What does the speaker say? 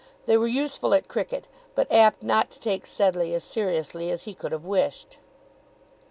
They were useful at cricket, but apt not to take Sedleigh as seriously as he could have wished.